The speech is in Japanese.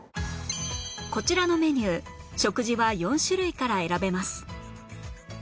こちらのメニュー食事は４種類から選べます